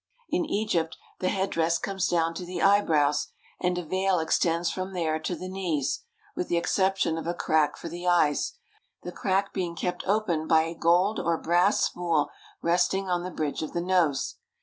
In Egypt the headdress comes down to the eyebrows, and a veil extends from there to the knees, with the exception of a crack for the eyes, the crack being kept open by a gold or brass spool resting on the bridge of the nose.